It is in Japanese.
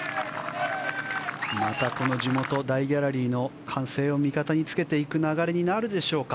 また地元、大ギャラリーの歓声を味方につけていく流れになるでしょうか。